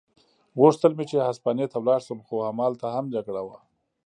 غوښتل مې چې هسپانیې ته ولاړ شم، خو همالته هم جګړه وه.